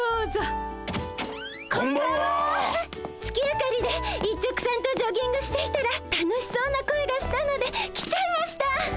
月明かりで一直さんとジョギングしていたら楽しそうな声がしたので来ちゃいました！